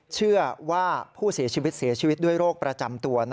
เชื่อว่าผู้เสียชีวิตเสียชีวิตด้วยโรคประจำตัว